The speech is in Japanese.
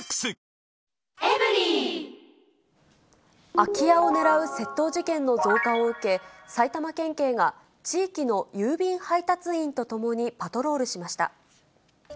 空き家を狙う窃盗事件の増加を受け、埼玉県警が地域の郵便配達員と共にパトロールしました。